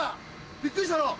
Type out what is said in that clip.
びっくりしたろう。